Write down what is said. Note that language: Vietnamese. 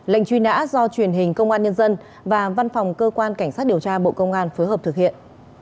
lệnh truy nã do truyền hình công an nhân dân và văn phòng cơ quan cảnh sát điều tra bộ công an phối hợp thực hiện